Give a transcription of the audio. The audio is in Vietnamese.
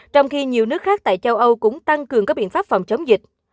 trong khi nhiều nước khác tại châu âu cũng tăng cường các biện pháp phòng chống dịch